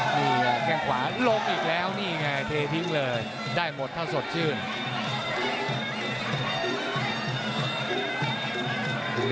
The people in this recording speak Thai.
นี่แข้งขวาลงอีกแล้วนี่ไงเททิ้งเลยได้หมดถ้าสดชื่น